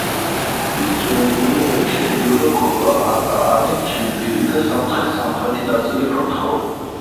მის შემადგენლობაში შედიოდა: კოლა, არტაანი, ჩილდირი და სამცხის სამხრეთი ნაწილი ფოცხოვი.